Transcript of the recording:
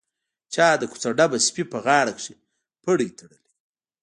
چا د کوڅه ډبه سپي په غاړه کښې پړى تړلى.